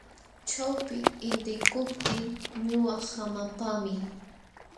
Ćhawpi intiykuptin ñuqa hamapaami.